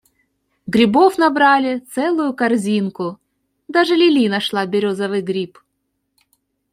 Грибов набрали целую корзинку, даже Лили нашла березовый гриб.